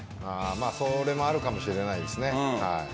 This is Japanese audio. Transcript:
それもあるかもしれないですね。